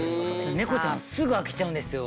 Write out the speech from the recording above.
猫ちゃんすぐ飽きちゃうんですよ。